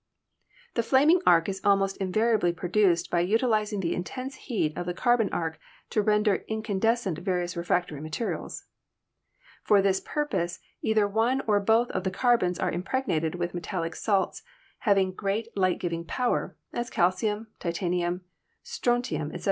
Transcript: The flaming arc is almost invariably produced by util izing the intense heat of the carbon arc to render incan descent various refractory materials. For this purpose either one or both of the carbons are impregnated with metallic salts having great light giving power, as calcium, titanium, strontium, etc.